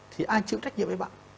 thì ai chịu trách nhiệm với bạn